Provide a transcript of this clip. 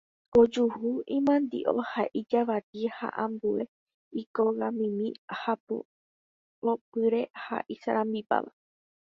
Ojuhu imandi'o, ijavati ha ambue ikogamimi hapo'opyre ha isarambipáva.